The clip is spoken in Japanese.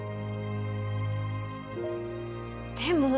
でも。